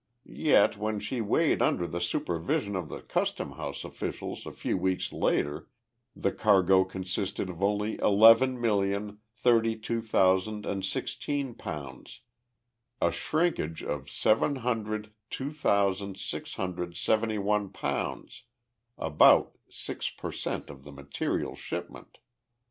Yet, when weighed under the supervision of the customhouse officials a few weeks later, the cargo consisted of only eleven million thirty two thousand and sixteen pounds a 'shrinkage' of seven hundred two thousand six hundred seventy one pounds, about six per cent of the material shipment."